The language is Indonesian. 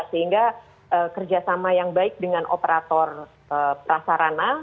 sehingga kerjasama yang baik dengan operator prasarana